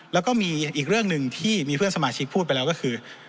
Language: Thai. แล้วก็มีอีกเรื่องหนึ่งที่มีเพื่อนสมาชิกพูดไปแล้วก็คือ